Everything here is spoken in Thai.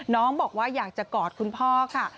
บอกว่าอยากจะกอดคุณพ่อค่ะ